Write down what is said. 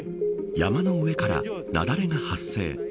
山の上から雪崩が発生。